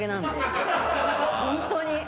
ホントに！